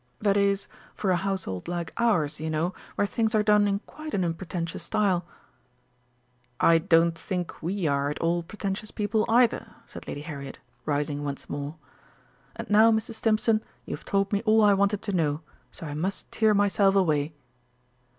That is, for a household like ours, you know, where things are done in quite an unpretentious style." "I don't think we are at all pretentious people either," said Lady Harriet, rising once more. "And now, Mrs. Stimpson, you have told me all I wanted to know, so I must tear myself away."